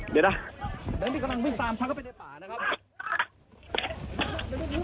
เดี๋ยวนะอันนี้กำลังวิ่งตามฉันเข้าไปในป่านะครับ